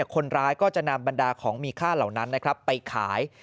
คนร้ายก็จะนำบรรดาของมีค่าเหล่านั้นนะครับไปขาย